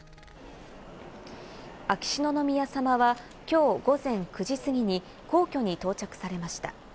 秋篠宮さまはきょう午前９時過ぎに皇居に到着されました。